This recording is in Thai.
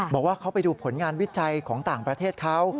บอกว่าเขาไปดูผลงานวิจัยของต่างประเทศเขา